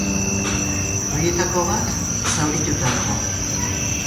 Horietako bat zaurituta dago.